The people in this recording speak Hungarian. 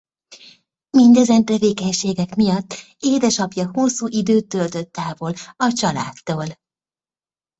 Mindezen tevékenységek miatt édesapja hosszú időt töltött távol a családtól.